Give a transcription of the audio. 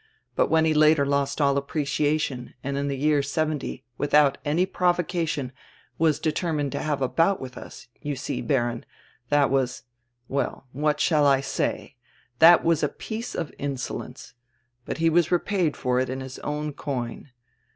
But when he later lost all apprecia tion and in die year seventy, without any provocation, was determined to have a bout widi us, you see, Baron, that was — well, what shall I say? — diat was a piece of insolence. But he was repaid for it in his own coin.